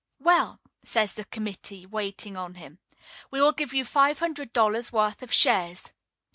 "Well," says the committee waiting on him, "we will give you five hundred dollars' worth of shares."